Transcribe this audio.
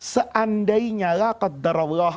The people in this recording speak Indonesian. seandainya lah kata allah